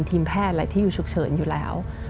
ทีมแพทย์อะไรที่อยู่ฉุกเฉินอยู่แล้ว